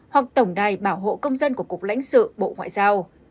hoặc tổng đài bảo hộ công dân của cục lãnh sự bộ ngoại giao